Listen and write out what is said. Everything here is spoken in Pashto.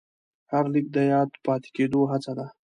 هر لیک د یاد پاتې کېدو هڅه ده.